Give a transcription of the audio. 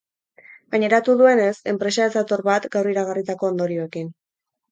Gaineratu duenez, enpresa ez dator bat gaur iragarritako ondorioekin.